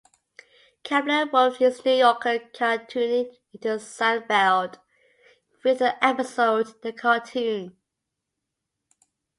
Kaplan wove his New Yorker cartooning into "Seinfeld" with the episode, "The Cartoon.